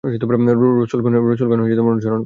রসূলগণের অনুসরণ কর।